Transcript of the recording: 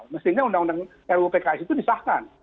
mestinya undang undang ruu pks itu disahkan